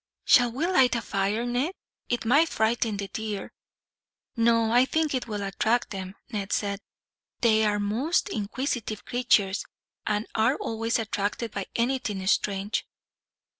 "Shall we light a fire, Ned? It might frighten the deer." "No, I think it will attract them," Ned said. "They are most inquisitive creatures, and are always attracted by anything strange."